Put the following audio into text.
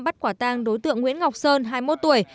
bắt quả tang đối tượng nguyễn ngọc sơn hai mươi một tuổi